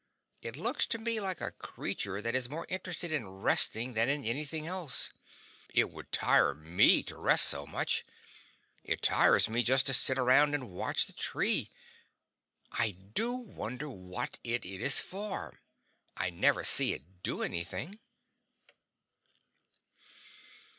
It looks to me like a creature that is more interested in resting than in anything else. It would tire me to rest so much. It tires me just to sit around and watch the tree. I do wonder what it is for; I never see it do anything.